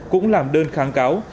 cũng làm đơn kháng cáo